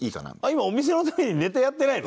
今お店のためにネタやってないの？